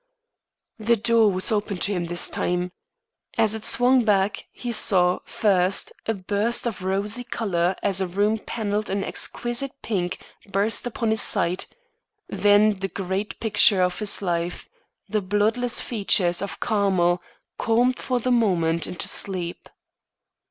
The door was opened to him, this time. As it swung back, he saw, first, a burst of rosy color as a room panelled in exquisite pink burst upon his sight; then the great picture of his life the bloodless features of Carmel, calmed for the moment into sleep.